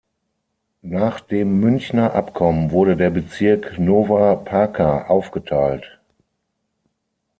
Nach dem Münchner Abkommen wurde der Bezirk Nová Paka aufgeteilt.